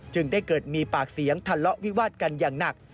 ได้เกิดมีปากเสียงทะเลาะวิวาดกันอย่างหนัก